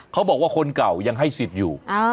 เขาบอกว่าคนเก่ายังให้สิทธิ์อยู่